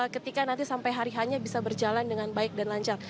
ketika nanti sampai hari hanya bisa berjalan dengan baik dan lancar